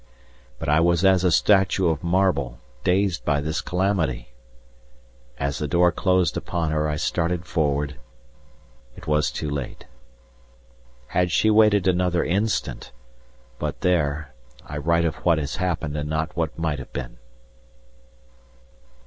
But I was as a statue of marble, dazed by this calamity. As the door closed upon her, I started forward it was too late. Had she waited another instant but there, I write of what has happened and not what might have been.